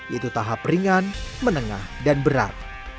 yaitu tahap ringan menengah dan berat